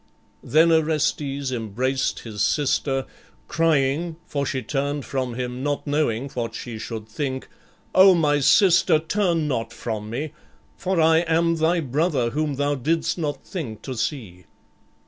Then Orestes embraced his sister, crying for she turned from him, not knowing what she should think "O my sister, turn not from me; for I am thy brother whom thou didst not think to see."